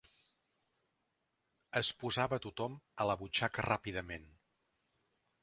Es posava tothom a la butxaca ràpidament.